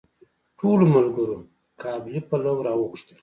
ټولو ملګرو قابلي پلو راوغوښتل.